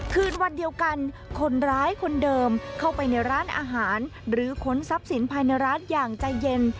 คืนวันเดียวกันคนร้ายคนเดิมเข้าไปในร้านอาหารหรือขนทรัพย์สินภายในร้านอย่างใจเย็น